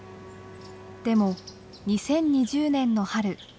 でも２０２０年の春。